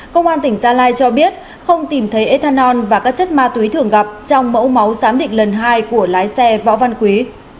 công an tỉnh gia lai cho biết không tìm thấy ethanol và các chất ma túy thường gặp trong mẫu máu giám định lần hai của lái xe võ văn quý